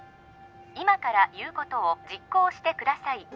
今から言うことを実行してください